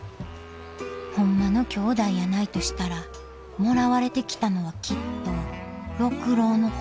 ホンマのきょうだいやないとしたらもらわれてきたのはきっと六郎の方。